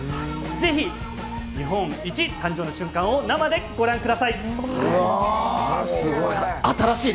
ぜひ日本一誕生の瞬間を、生でご覧ください。